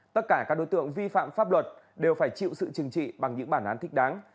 tất cả các đối tượng vi phạm pháp luật đều phải chịu sự chừng trị bằng những bản án thích đáng